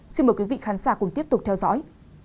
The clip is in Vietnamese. xin mời quý vị khán giả cùng tiếp tục theo dõi